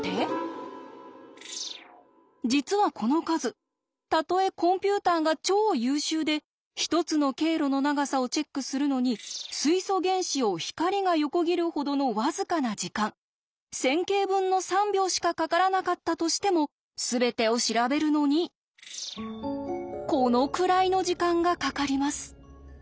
実はこの数たとえコンピューターが超優秀で１つの経路の長さをチェックするのに水素原子を光が横切るほどの僅かな時間１０００京分の３秒しかかからなかったとしてもすべてを調べるのにこのくらいの時間がかかります。